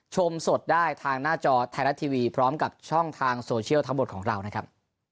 ชมสดได้ทางหน้าจอไทยรัฐทีวีพร้อมกับช่องทางโซเชียลทั้งหมดของเรานะครับ